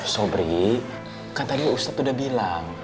sobri kan tadi ustaz udah bilang